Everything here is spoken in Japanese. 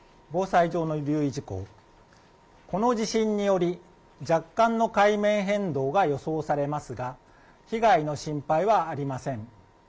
この地震により、若干の海面変動が予想されますが、被害の心配はありません。